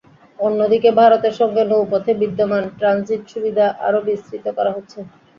অন্যদিকে ভারতের সঙ্গে নৌপথে বিদ্যমান ট্রানজিট সুবিধা আরও বিস্তৃত করা হচ্ছে।